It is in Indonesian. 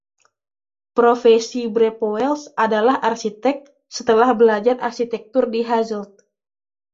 Profesi Brepoels adalah arsitek, setelah belajar arsitektur di Hasselt.